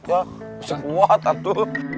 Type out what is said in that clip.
masih kuat tantu